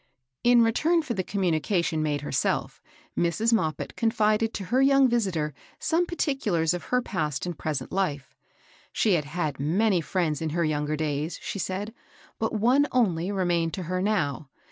In return for the communication made her self, Mrs. Moppit confided to her young vis itor some particulars of her past and present life. She had had many fiiends in her younger days, she said, but one only remained to her now.